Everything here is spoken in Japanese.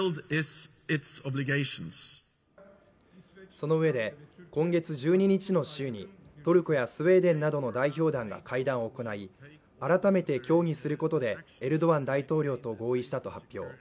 そのうえで、今月１２日の週にトルコやスウェーデンなどの代表団が会談を行い改めて協議することでエルドアン大統領と合意したと発表。